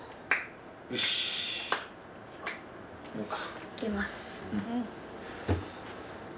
いきます。